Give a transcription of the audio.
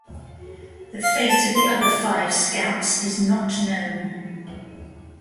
The fate of the other five scouts is not known.